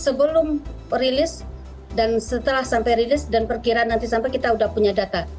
sebelum rilis dan setelah sampai rilis dan perkiraan nanti sampai kita sudah punya data